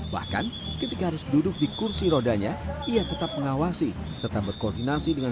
bahkan ketika harus duduk di kursi rodanya ia tetap mengawasi serta berkoordinasi dengan